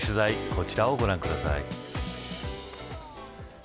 こちらをご覧ください。